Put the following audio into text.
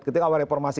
ketika awal reformasi